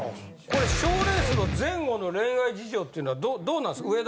これ賞レースの前後の恋愛事情っていうのはどうなんです？